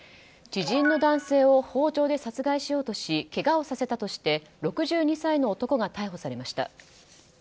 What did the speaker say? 知人の男性を包丁で殺害しようとしけがをさせたとして６２歳の男が逮捕されました。